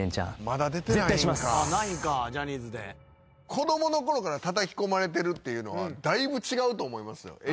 子供の頃からたたき込まれてるっていうのはだいぶ違うと思いますよ。